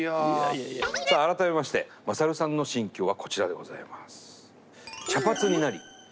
さあ改めまして勝さんの心境はこちらでございます。